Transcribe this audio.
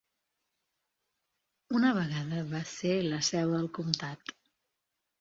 Una vegada va ser la seu del comtat.